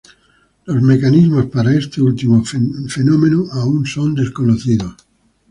Los mecanismos para este último fenómeno son aún desconocidos.